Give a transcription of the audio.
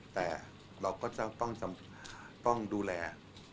แต่เราก็ต้องดูแล